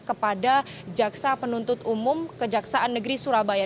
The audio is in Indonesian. kepada jaksa penuntut umum kejaksaan negeri surabaya